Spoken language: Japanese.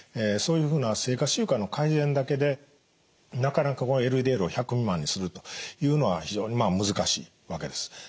そういうふうな生活習慣の改善だけでなかなかこのＬＤＬを１００未満にするというのは非常に難しいわけです。